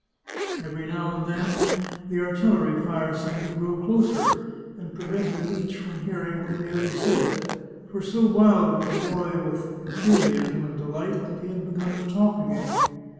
Every now and then the artil lery fire seemed to grow closer, and prevented each from hearing what the other said, for so wild was the boy with enthusiasm and delight that he had begun to talk again.